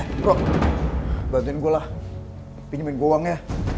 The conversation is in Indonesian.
eh bro bantuin gua lah pinjemin gua uangnya